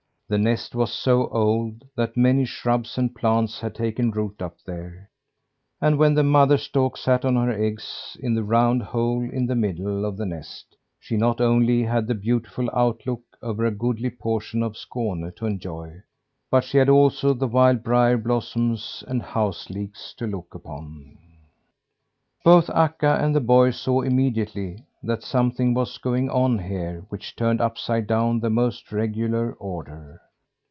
The nest was so old that many shrubs and plants had taken root up there; and when the mother stork sat on her eggs in the round hole in the middle of the nest, she not only had the beautiful outlook over a goodly portion of Skåne to enjoy, but she had also the wild brier blossoms and house leeks to look upon. Both Akka and the boy saw immediately that something was going on here which turned upside down the most regular order.